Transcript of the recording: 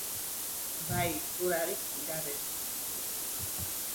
Bai, dudarik gabe.